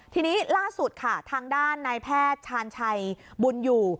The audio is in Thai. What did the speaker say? ทีนี้ล่าสุดค่ะทางด้านนายแพทย์ชาญชัยบุญอยู่